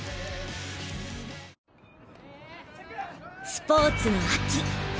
スポーツの秋。